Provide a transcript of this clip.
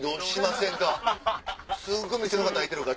すっごい店の方いてるから。